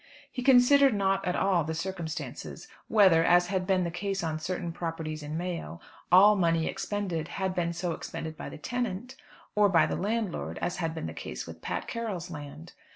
He considered not at all the circumstances, whether, as had been the case on certain properties in Mayo, all money expended had been so expended by the tenant, or by the landlord, as had been the case with Pat Carroll's land.